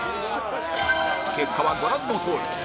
結果はご覧のとおり